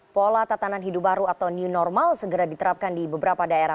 pola tatanan hidup baru atau new normal segera diterapkan di beberapa daerah